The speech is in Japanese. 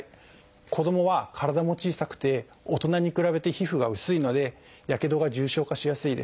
子どもは体も小さくて大人に比べて皮膚が薄いのでやけどが重症化しやすいです。